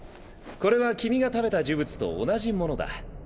これは君が食べた呪物と同じものだ。